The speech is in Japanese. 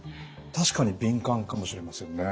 確かに敏感かもしれませんね。